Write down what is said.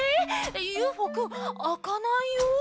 ＵＦＯくんあかないよ。